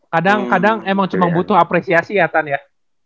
kadang kadang emang cuman butuh apresiasi ya tan ya